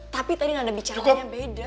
tapi tadi nada bicara lo beda